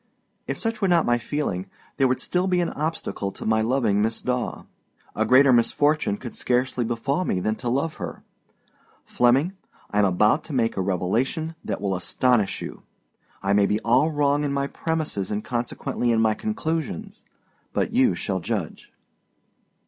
If such were not my feeling, there would still be an obstacle to my loving Miss Daw. A greater misfortune could scarcely befall me than to love her. Flemming, I am about to make a revelation that will astonish you. I may be all wrong in my premises and consequently in my conclusions; but you shall judge.